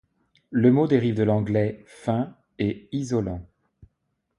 Le mot dérive de l'anglais ', fin, et ', isolant.